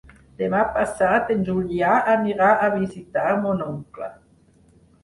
Demà passat en Julià anirà a visitar mon oncle.